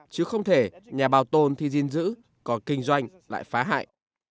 chứ không thể nhà bảo tồn thì dinh dữ còn kinh doanh lại phá hại